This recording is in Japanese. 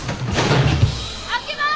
開けます！